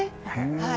はい。